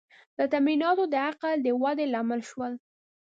دا تمرینونه د عقل د ودې لامل شول.